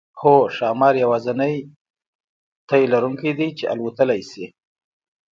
هو ښامار یوازینی تی لرونکی دی چې الوتلی شي